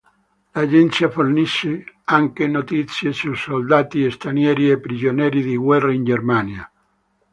L'agenzia fornisce anche notizie su soldati stranieri e prigionieri di guerra in Germania.